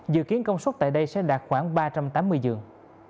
dự kiến công suất tại đây sẽ đạt khoảng ba trăm tám mươi giường